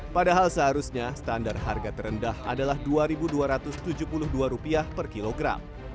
padahal seharusnya standar harga terendah adalah rp dua dua ratus tujuh puluh dua per kilogram